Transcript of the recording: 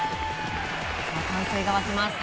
歓声が沸きます。